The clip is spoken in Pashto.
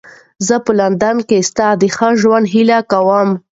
زه به په لندن کې ستا د ښه ژوند هیله کوم.